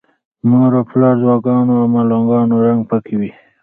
د مور او پلار د دعاګانو او ملنګانو رنګ پکې وي.